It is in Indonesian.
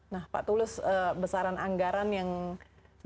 nah pak tulus besaran anggaran yang dibutuhkan